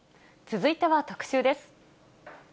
続いては特集です。